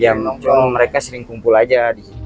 ya nongkrong mereka sering kumpul aja